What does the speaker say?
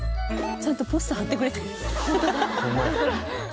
ちゃんとポスター貼ってくれて。